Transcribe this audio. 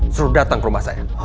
suruh datang ke rumah saya